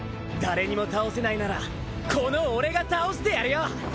誰にも倒せないならこの俺が倒してやるよ！